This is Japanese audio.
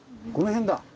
この辺だ。